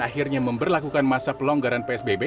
akhirnya memperlakukan masa pelonggaran psbb